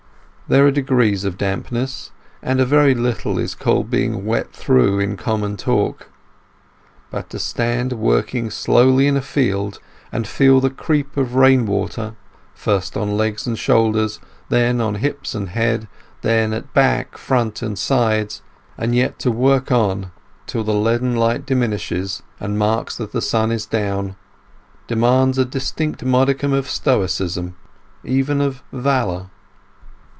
There are degrees of dampness, and a very little is called being wet through in common talk. But to stand working slowly in a field, and feel the creep of rain water, first in legs and shoulders, then on hips and head, then at back, front, and sides, and yet to work on till the leaden light diminishes and marks that the sun is down, demands a distinct modicum of stoicism, even of valour.